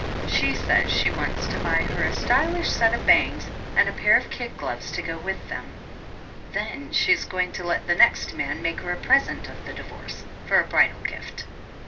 She says she wants to buy her a stylish set of bangs and a pair of kid gloves to go with them, then she is going to let the next man make her a pres ent of the divorce for a bridal gift.